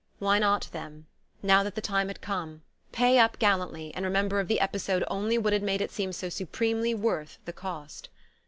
Why not, then, now that the time had come, pay up gallantly, and remember of the episode only what had made it seem so supremely worth the cost?